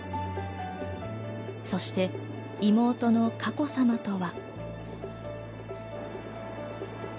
そして妹の佳子さまとは。